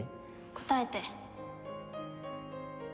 答えて。